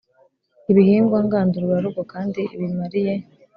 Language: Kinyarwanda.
ibihingwa ngandurarugo kandi bimariye